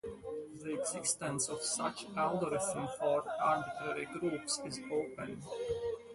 The existence of such algorithm for arbitrary groups is open.